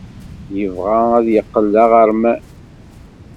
Yebɣa ad yeqqel d aɣerman.